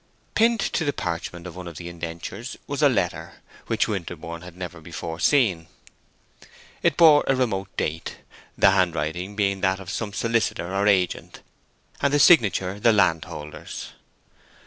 Pinned to the parchment of one of the indentures was a letter, which Winterborne had never seen before. It bore a remote date, the handwriting being that of some solicitor or agent, and the signature the landholder's.